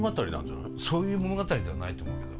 そういう物語ではないと思うけど。